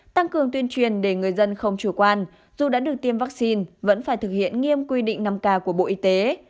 tăng cường tuyên truyền để người dân không chủ quan dù đã được tiêm vaccine vẫn phải thực hiện nghiêm quy định năm k của bộ y tế